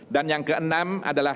dan yang keenam adalah